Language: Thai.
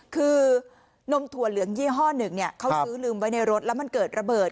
คือนมถั่วเหลืองยี่ห้อหนึ่งเขาซื้อลืมไว้ในรถแล้วมันเกิดระเบิด